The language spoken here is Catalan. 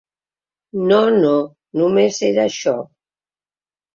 No no, només era això.